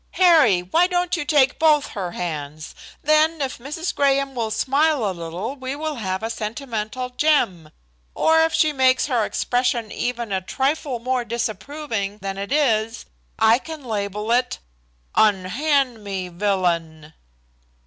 "Harry, why don't you take both her hands? Then if Mrs. Graham will smile a little we will have a sentimental gem, or if she makes her expression even a trifle more disapproving than it is I can label it, 'Unhand me, villain.'"